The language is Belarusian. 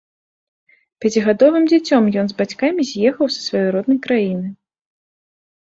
Пяцігадовым дзіцем ён з бацькамі з'ехаў са сваёй роднай краіны.